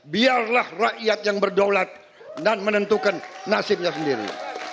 biarlah rakyat yang berdaulat dan menentukan nasibnya sendiri